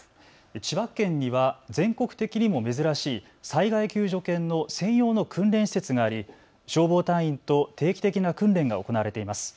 千葉県には全国的にも珍しい災害救助犬の専用の訓練施設があり消防隊員と定期的な訓練が行われています。